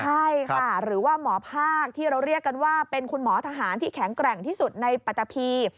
ใช่ค่ะหรือว่าหมอภาคที่เราเรียกกันว่าเป็นคุณหมอทหารที่แข็งแกร่งที่สุดในปัตตะพี